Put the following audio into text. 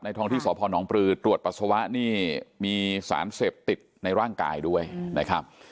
ท้องที่สพนปลือตรวจปัสสาวะนี่มีสารเสพติดในร่างกายด้วยนะครับ